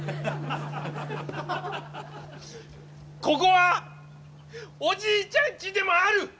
ここはおじいちゃんちでもある！